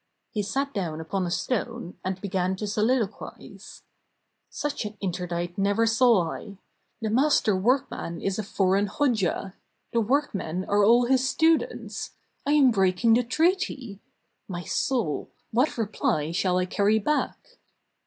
He sat down upon a stone, and began to soliloquize. ''Such an inter dict never saw I ! The master workman is a foreign hodja; the workmen are all his students! I am breaking the treaty! My soul! what reply shall I carry back?"